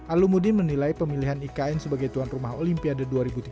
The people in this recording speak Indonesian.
alumudin menilai pemilihan ikn sebagai tuan rumah olimpiade dua ribu tiga puluh